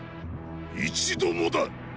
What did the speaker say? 一度もだ！